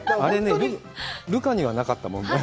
留伽にはなかったもんね。